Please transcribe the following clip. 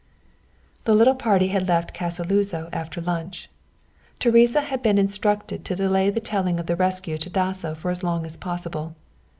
The little party had left Casa Luzo after lunch. Teresa had been instructed to delay the telling of the rescue to Dasso for as long as possible.